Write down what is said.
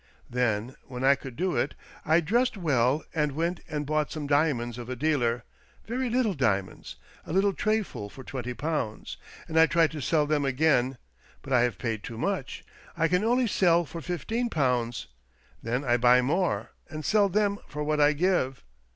Then, when I could do it, I dressed well and went and bought some diamonds of a dealer — very little diamonds, a little trayful for twenty pounds, and I try to sell them again. But I have paid too much — I can only sell for fifteen pounds. Then I buy more, and sell them for what I give.